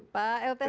pak lth kita